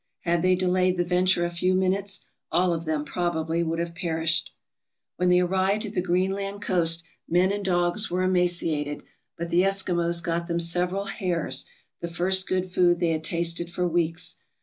Had they delayed the venture a few minutes, all of them probably would have perished. When they arrived at the Greenland coast, men and dogs were emaciated, but the Eskimos got them several hares — the first good food they had tasted for weeks.